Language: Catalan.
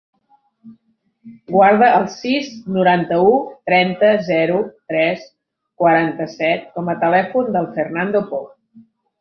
Guarda el sis, noranta-u, trenta, zero, tres, quaranta-set com a telèfon del Fernando Pou.